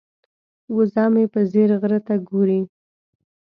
وزه مې په ځیر غره ته ګوري.